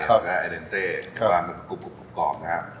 แล้วก็ไอเลนเตความกรุบกรอบนะฮะ